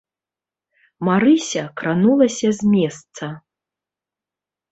Марыся кранулася з месца.